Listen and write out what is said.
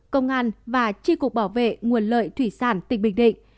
công an và tri cục bảo vệ nguồn lợi thủy sản tỉnh bình định